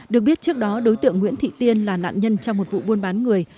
được biết trước đó đối tượng nguyễn thị tiên là nạn nhân trong một vụ buôn bán người